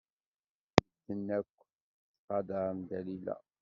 Medden akk ttqadaren Dalila.